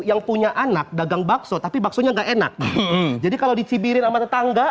yang punya anak dagang bakso tapi baksonya enggak enak jadi kalau dicibirin sama tetangga